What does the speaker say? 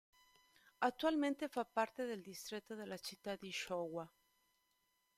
Attualmente fa parte del distretto la città di Shōwa.